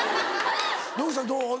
野口さんどう？